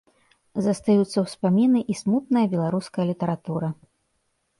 Застаюцца ўспаміны і смутная беларуская літаратура.